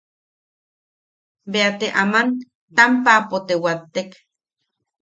Bea te aman taampapo te wattek.